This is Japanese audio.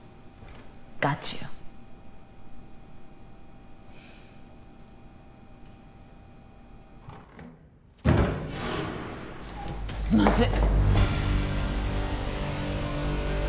ガチよまずい！